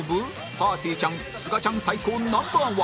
ぱーてぃーちゃんすがちゃん最高 Ｎｏ．１